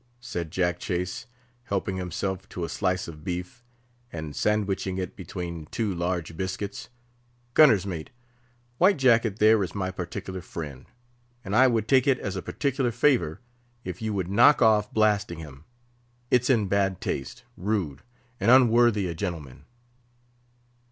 said Jack Chase, helping himself to a slice of beef, and sandwiching it between two large biscuits—"Gunner's mate! White Jacket there is my particular friend, and I would take it as a particular favour if you would knock off blasting him. It's in bad taste, rude, and unworthy a gentleman."